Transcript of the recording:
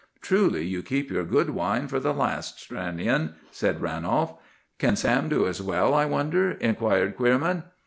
"Truly you keep your good wine for the last, Stranion," said Ranolf. "Can Sam do as well, I wonder?" inquired Queerman.